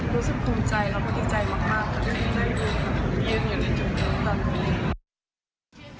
รู้สึกภูมิใจแล้วพูดดีใจมากคือในจุดนี้